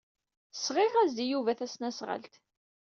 Sɣiɣ-as-d i Yuba tasnasɣalt.